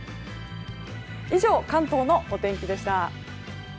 以上、関東のお天気でした。